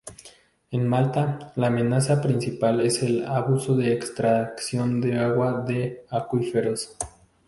En Malta, la amenaza principal es el abuso de extracción de agua de acuíferos.